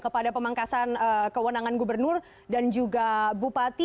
kepada pemangkasan kewenangan gubernur dan juga bupati